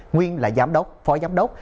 nguyên là giám đốc phó giám đốc